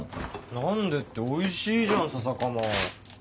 何でっておいしいじゃん笹かま。